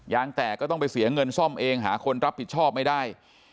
แตกก็ต้องไปเสียเงินซ่อมเองหาคนรับผิดชอบไม่ได้